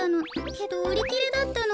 けどうりきれだったの。